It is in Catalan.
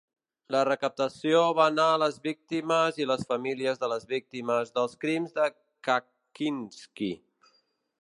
La recaptació va anar a les víctimes i les famílies de les víctimes dels crims de Kaczynski.